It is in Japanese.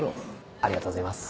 ありがとうございます。